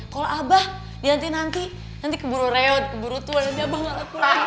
kalau abah nanti nanti keburu reot keburu tuan nanti abah ngalahin aku lagi